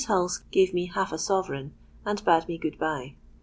Hulse gave me half a sovereign, and bade me good bye.